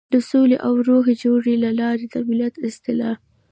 د سولې او روغې جوړې له لارې د ملت اصلاح.